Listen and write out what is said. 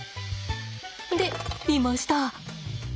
でいました。